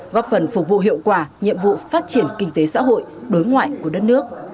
góp phần phục vụ hiệu quả nhiệm vụ phát triển kinh tế xã hội đối ngoại của đất nước